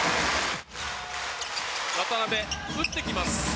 渡邊打ってきます。